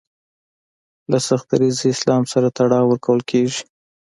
له سخت دریځه اسلام سره تړاو ورکول کیږي